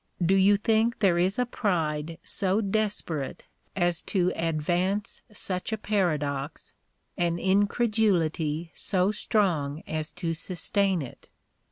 Do you think there is a pride so desperate as to advance such a paradox, an incredulity so strong as to sustain it?